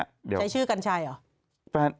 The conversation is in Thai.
ใช้ชื่อกัญชัยเหรอ